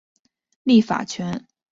立法权由政府和国会所有。